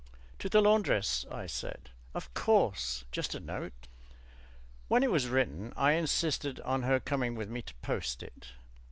"To the laundress," I said. "Of course, just a note." When it was written I insisted on her coming with me to post it.